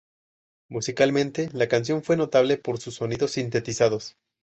Musicalmente la canción fue notable por sus sonidos sintetizados.